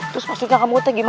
terus maksudnya kamu itu gimana